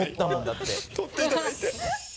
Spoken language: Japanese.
取っていただいて。